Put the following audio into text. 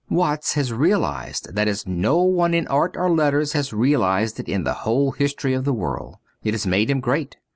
Watts has realized this as no one in art or letters has realized it in the whole history of the world ; it has made him great.